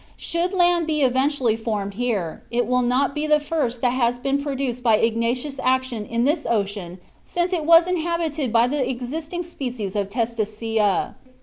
Should land be eventually formed here, it will not be the first that has been produced by igneous action in this ocean since it was inhabited by the existing species of testacea.